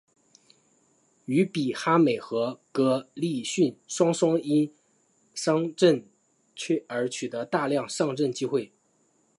于比哈美和哥利逊双双因伤缺阵而取得大量上阵机会。